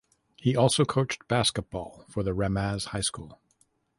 He also coached basketball for the Ramaz High School.